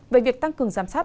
về việc tăng cường giám sát